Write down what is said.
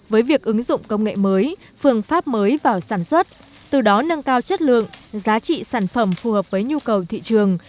với việc ứng dụng công nghệ mới phương pháp mới vào sản xuất từ đó nâng cao chất lượng giá trị sản phẩm phù hợp với nhu cầu thị trường